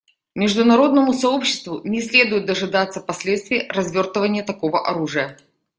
Международному сообществу не следует дожидаться последствий развертывания такого оружия.